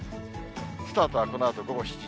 スタートはこのあと午後７時。